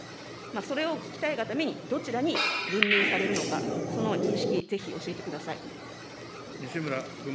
それを聞きたいがためにどちらに分類されるのか、その認識、ぜひ教えてください。